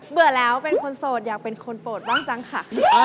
เบื่อแล้วเป็นคนโสดอยากเป็นคนโปรดบ้างจังค่ะ